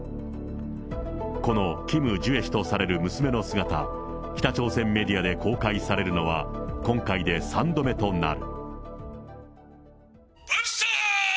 このキム・ジュエ氏とされる娘の姿、北朝鮮メディアで公開されるのは、今回で３度目となる。